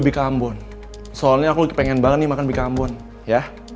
bikambon soalnya aku pengen banget makan bikambon ya